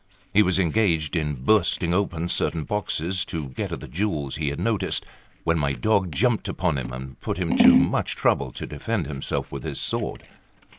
He was engaged in bursting open certain boxes to get at the jewels he had noticed, when my dog jumped upon him, and put him to much trouble to defend himself with his sword.